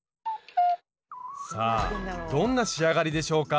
さあどんな仕上がりでしょうか？